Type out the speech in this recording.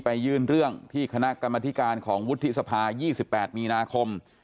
ยื่นเรื่องที่คณะกรรมธิการของวุฒิสภา๒๘มีนาคม